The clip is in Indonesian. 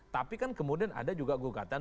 tapi kan kemudian ada juga gugatan